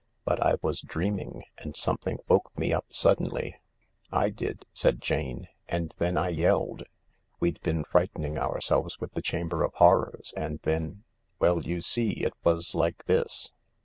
But I was dreaming, and something woke me up suddenly." " I did," said Jane, " and then I yelled. We'd been frightening ourselves with the Chamber of Horrors— and then ... Well, you see, it was like this